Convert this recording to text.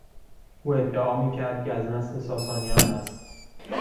او ادعا میکرد که از نسل ساسانیان است.